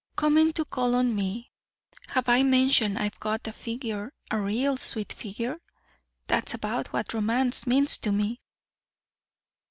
Coming to call on me have I mentioned I've got a figure a real sweet figure? That's about what romance means to me."